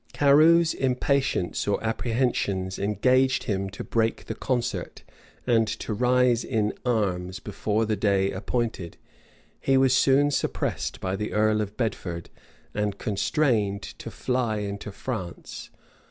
[] Carew's impatience or apprehensions engaged him to break the concert, and to rise in arms before the day appointed. He was soon suppressed by the earl of Bedford, and constrained to fly into France.